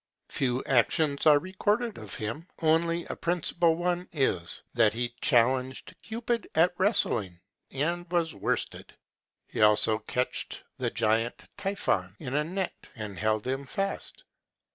Few actions are recorded of him; only a principal one is, that he challenged Cupid at wrestling, and was worsted. He also catched the giant Typhon in a net, and held him fast.